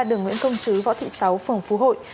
ngã ba đường nguyễn công chứ võ thị sáu phường phú hội